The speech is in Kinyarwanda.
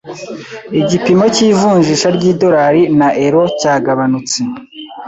Igipimo cy'ivunjisha ry'idolari na euro cyaragabanutse.